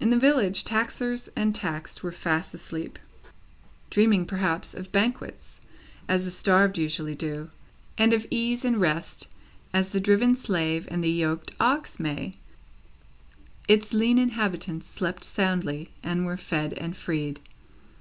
In the village, taxers and taxed were fast asleep. Dreaming, perhaps, of banquets, as the starved usually do, and of ease and rest, as the driven slave and the yoked ox may, its lean inhabitants slept soundly, and were fed and freed.